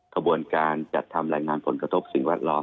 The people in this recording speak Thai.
ขบวนการจัดทำรายงานผลกระทบสิ่งแวดล้อม